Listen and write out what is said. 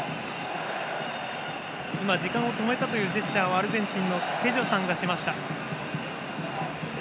時間を止めたというジェスチャーをアルゼンチンのテジョさんがしました。